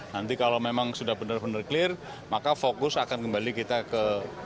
nanti kalau memang sudah benar benar clear maka fokus akan kembali kita ke